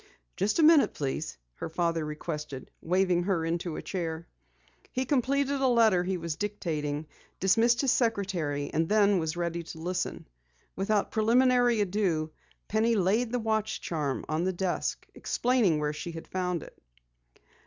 "Just a minute, please," her father requested, waving her into a chair. He completed a letter he was dictating, dismissed his secretary, and then was ready to listen. Without preliminary ado, Penny laid the watch charm on the desk, explaining where she had found it.